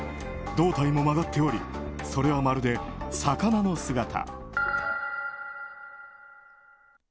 胴体も曲がっておりそれはまるで魚の姿。